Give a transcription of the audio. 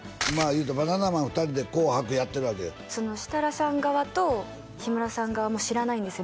いうたらバナナマン２人で「紅白」やってるわけ設楽さん側と日村さん側も知らないんですよ